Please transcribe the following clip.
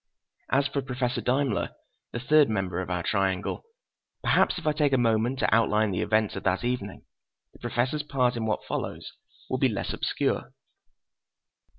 As for Professor Daimler, the third member of our triangle—perhaps, if I take a moment to outline the events of that evening, the Professor's part in what follows will be less obscure.